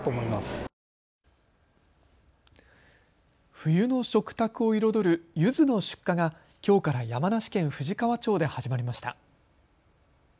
冬の食卓を彩るゆずの出荷がきょうから山梨県富士川町で始まりました。